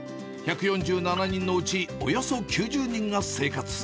１４７人のうち、およそ９０人が生活。